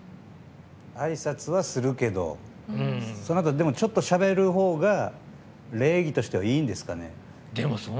あいさつはするけどでも、そのあとにしゃべる方が礼儀としてはいいんですかね。